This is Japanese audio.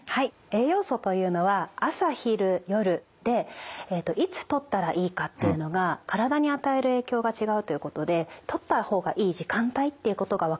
栄養素というのは朝昼夜でいつとったらいいかっていうのが体に与える影響が違うということでとった方がいい時間帯っていうことが分かってきたんですね。